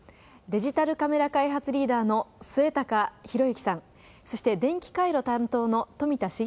デジタルカメラ開発リーダーの末高弘之さんそして電気回路担当の富田成明さんです。